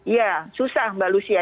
ya susah mbak lucia